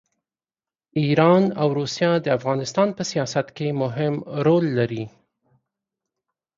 ایران او روسیه د افغانستان په سیاست کې مهم رول لري.